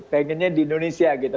pengennya di indonesia gitu